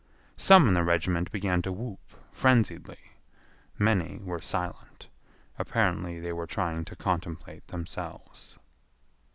Some in the regiment began to whoop frenziedly. Many were silent. Apparently they were trying to contemplate themselves.